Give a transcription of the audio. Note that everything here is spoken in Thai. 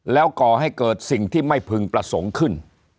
แล้วก่อให้เกิดสิ่งที่ไม่พึงประสงค์ขึ้น